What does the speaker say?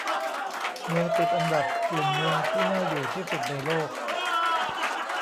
เมืองติดอันดับกลุ่มเมืองที่น่าอยู่ที่สุดในโลก